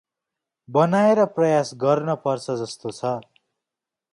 बनाएर प्रयास गर्न पर्छ जस्तो छ ।